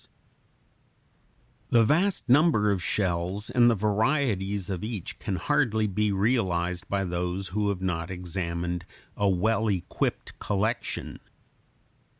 ] The vast number of shells and the varieties of each kind can hardly be realized by those who have not examined a well equipped collection.